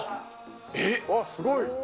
わっ、すごい。